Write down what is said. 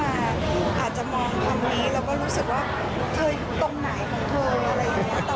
อาจจะมองคำนี้แล้วก็รู้สึกว่าเธออยู่ตรงไหนของเธออะไรอย่างนี้